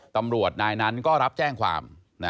ตำรวจนายนั้นก็รับแจ้งความ